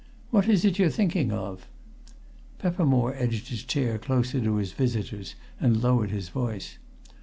"What is it you're thinking of?" Peppermore edged his chair closer to his visitor's, and lowered his voice.